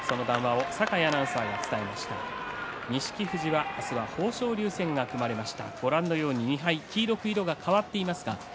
富士は明日は豊昇龍戦が組まれました。